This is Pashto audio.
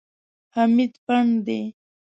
حمید پنډ دی.